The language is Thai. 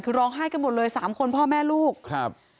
คือร้องไห้กันหมดเลยสามคนพ่อแม่ลูกครับ